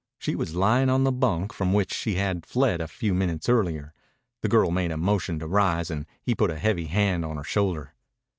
She was lying on the bunk from which she had fled a few minutes earlier. The girl made a motion to rise and he put a heavy hand on her shoulder.